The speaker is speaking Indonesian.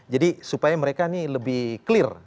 jadi supaya mereka ini lebih clear